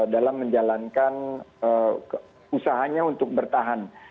dalam menjalankan usahanya untuk bertahan